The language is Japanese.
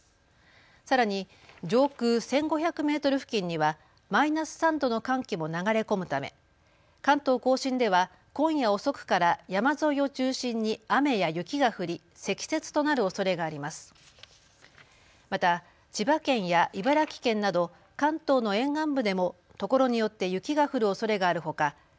さらに上空１５００メートル付近にはマイナス３度の寒気も流れ込むため関東甲信では今夜遅くから山沿いを中心に雨や雪が降り積雪となるおそれがあります。